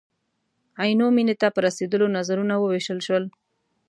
عینو مېنې ته په رسېدلو نظرونه ووېشل شول.